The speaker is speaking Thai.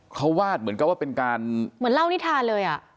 เขาวาดเหมือนกับว่าเป็นการเหมือนเล่านิทานเลยอ่ะ